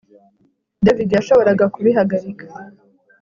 David yashoboraga kubihagarika